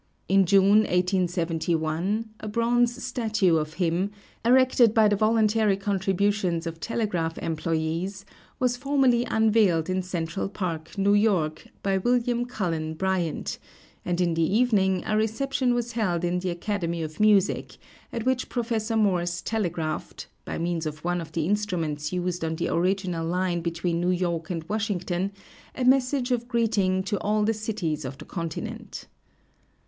In June, 1871, a bronze statue of him, erected by the voluntary contributions of telegraph employes, was formally unveiled in Central Park, New York, by William Cullen Bryant, and in the evening a reception was held in the Academy of Music, at which Prof. Morse telegraphed, by means of one of the instruments used on the original line between New York and Washington, a message of greeting to all the cities of the continent.